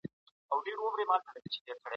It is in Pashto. دا هغه مذهب دی چي په اروپا کي خپور سو.